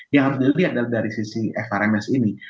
yang harus dilihat dari sisi fims ini